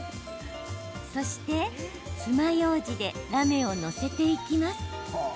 そして、つまようじでラメを載せていきます。